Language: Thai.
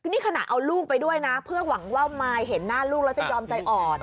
นี่ขณะเอาลูกไปด้วยนะเพื่อหวังว่ามายเห็นหน้าลูกแล้วจะยอมใจอ่อน